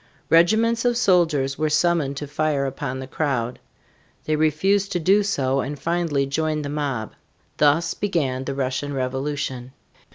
Regiments of soldiers were summoned to fire upon the crowd. They refused to do so and finally joined the mob. Thus began the Russian Revolution.